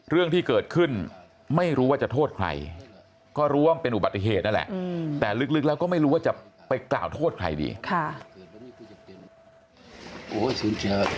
เรื่องที่เกิดขึ้นไม่รู้ว่าจะโทษใครก็รู้ว่ามันเป็นอุบัติเหตุนั่นแหละแต่ลึกแล้วก็ไม่รู้ว่าจะไปกล่าวโทษใครดีค่ะ